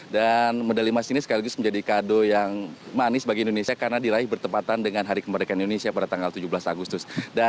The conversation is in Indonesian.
dan medali emas ini sekaligus menjadi kado yang manis bagi indonesia karena diraih bertepatan dengan hari kemerdekaan indonesia pada tanggal tujuh belas agustus